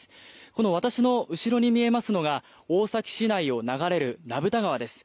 この私の後ろに見えますのが大崎市内を流れる名蓋川です。